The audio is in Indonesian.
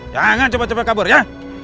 jangan cepat cepat kabur ya